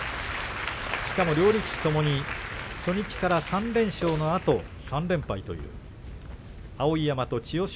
しかも両力士ともに初日から３連勝のあと３連敗という碧山と千代翔